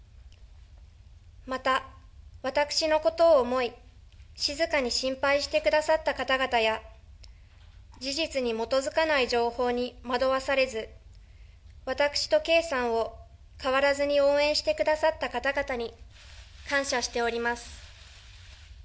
また、私のことを思い、静かに心配してくださった方々や、事実に基づかない情報に惑わされず、私と圭さんを変わらずに応援してくださった方々に、感謝しております。